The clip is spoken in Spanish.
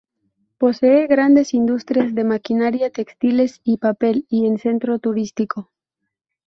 Posee grandes industrias de maquinaria, textiles y papel y en centro turístico.